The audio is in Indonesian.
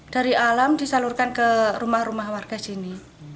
dari alam disalurkan ke rumah rumah warga sini